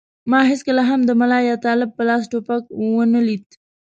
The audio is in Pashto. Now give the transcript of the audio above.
ما هېڅکله هم د ملا یا طالب په لاس ټوپک و نه لید.